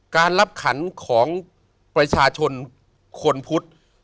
การรับขันของประชาชนคนพุทธ